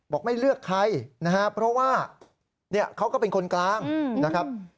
บอกไม่เลือกใครนะฮะเพราะว่าเนี่ยเขาก็เป็นคนกลางนะครับ